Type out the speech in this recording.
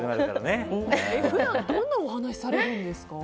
普段、どんなお話をされるんですか？